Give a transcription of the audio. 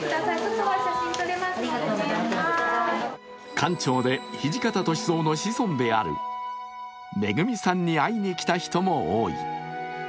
館長で土方歳三の子孫である愛さんに会いに来た人も多い。